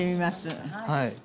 はい。